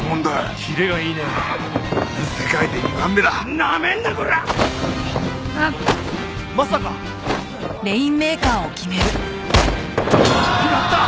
決まった！